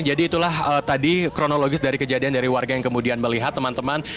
jadi itulah tadi kronologis dari kejadian dari warga yang kemudian melihat teman teman